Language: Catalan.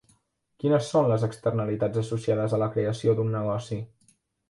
Quines són les externalitats associades a la creació d'un negoci?